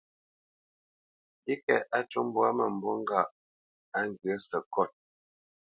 Mbîkɛ́t á cû mbwǎ mə̂mbû ŋgâʼ á ŋgyə̂ səkót.